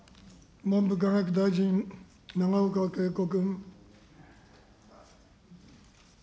文部科学大臣、永岡桂子君。